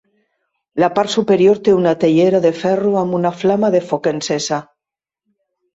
La part superior té una teiera de ferro amb una flama de foc encesa.